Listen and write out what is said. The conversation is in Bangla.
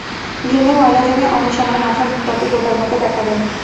ঘেমে, ময়লা জমে অনেক সময় মাথার ত্বকে গোটার মতো দেখা দেয়।